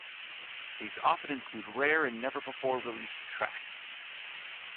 These often include rare and never-before-released tracks.